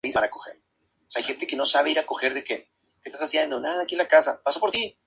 Así, opina que es posible detener el proceso regresivo.